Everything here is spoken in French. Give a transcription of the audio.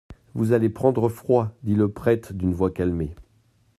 Vous allez prendre froid, dit le prêtre d'une voix calmée.